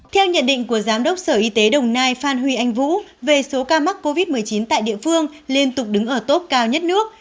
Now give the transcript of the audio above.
theo nhận định của giám đốc sở y tế đồng nai phan huy anh vũ về số ca mắc covid một mươi chín tại địa phương liên tục đứng ở tốp cao nhất nước